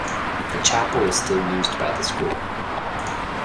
The chapel is still used by the school.